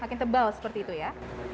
makin tebal seperti itu ya